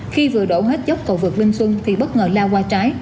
khi vừa đổ hết dốc cầu vượt minh xuân thì bất ngờ lao qua trái